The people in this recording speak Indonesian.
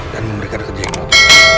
dan memberikan ke jenglot